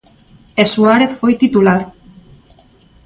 E Suárez foi titular.